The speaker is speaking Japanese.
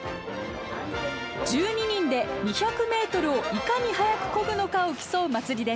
１２人で２００メートルをいかに速くこぐのかを競う祭りです。